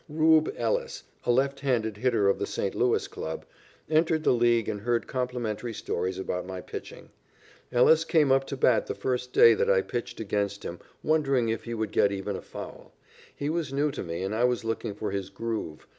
"Rube" Ellis, a left handed hitter of the St. Louis Club, entered the League and heard complimentary stories about my pitching. Ellis came up to bat the first day that I pitched against him wondering if he would get even a foul. He was new to me and I was looking for his "groove."